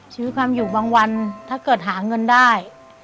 ซื้อความอยู่บางวันถ้าเกิดหาเงินได้